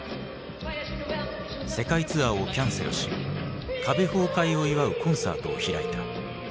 世界ツアーをキャンセルし壁崩壊を祝うコンサートを開いた。